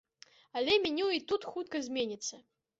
Але меню і тут хутка зменіцца.